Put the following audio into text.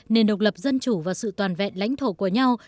nền độc lập dân chủ và sự toàn vẹn lãnh thổ của nhau